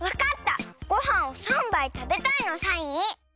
ごはんを３ばいたべたいのサイン！